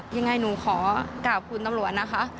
ยังไงหนูขอกราบคุณตำรวจนะคะ